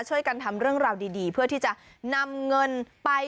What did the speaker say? ช่วยกันทำเรื่องราวดีเพื่อที่จะนำเงินไป